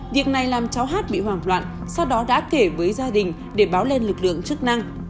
việc này làm cháu hát bị hoảng loạn sau đó đã kể với gia đình để báo lên lực lượng chức năng